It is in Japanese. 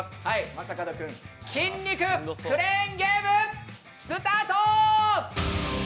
正門君、筋肉クレーンゲーム、スタート！